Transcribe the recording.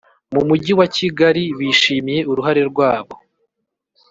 mu mujyi wa kigali bishimiye uruhare rwabo